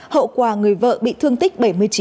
hậu quả người vợ bị thương tích bảy mươi chín